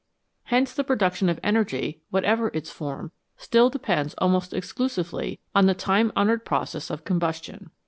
Hence the production of energy, whatever its form, still depends almost exclusively on the time honoured process of combustion.